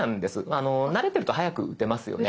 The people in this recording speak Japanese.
慣れてると速く打てますよね。